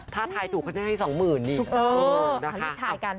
ถ้าถ่ายถูกก็ได้ให้๒หมื่นหนึ่งสมมุติดีดูโมล่ะ